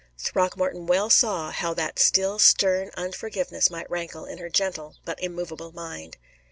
Throckmorton well saw how that still stern unforgiveness might rankle in her gentle but immovable mind.